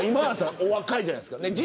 お若いじゃないですか。